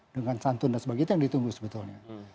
dengan santun dan sebagainya yang ditunggu sebetulnya